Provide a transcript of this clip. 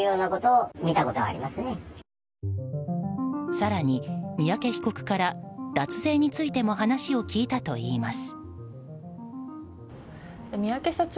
更に三宅被告から脱税についても話を聞いたといいます。